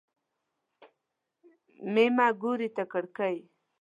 مېمه ګوري تر کړکۍ.